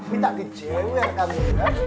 ini tak di jengel kamu ya